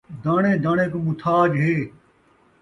داݨے داݨے کوں متھاج ہے